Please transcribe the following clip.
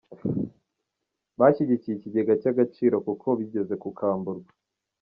Bashyigikiye ikigega cy’Agaciro kuko ngo bigeze kukamburwa